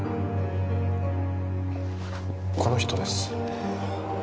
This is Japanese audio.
この人です。